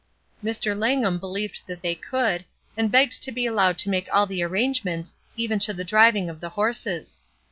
Mr. Langham believed that they could, and begged to be allowed to make all the arrange ments, even to the driving of the horses.